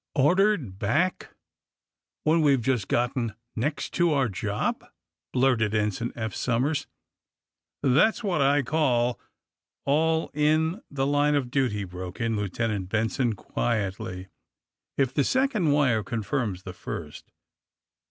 ^'Ordered back when weVe just gotten next to our job!" blurted Ensign Eph Somers. ^'That's what I call '' ^^All in the line of duty," broke in Lieuten ant Benson quietly, ^'if the second Wire confirms the first.